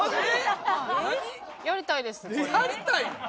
やりたいん？